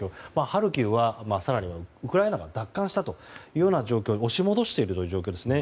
ハルキウはウクライナが奪還したと押し戻しているという状況ですね。